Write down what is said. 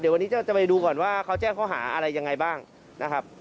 เดี๋ยววันนี้จะไปดูก่อนว่าเขาแจ้งข้อหาอะไรยังไงบ้างนะครับ